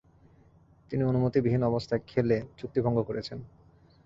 তিনি অনুমতিবিহীন অবস্থায় খেলে চুক্তিভঙ্গ করেছেন।